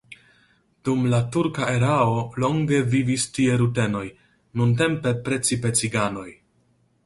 Dum la turka erao longe vivis tie rutenoj, nuntempe precipe ciganoj.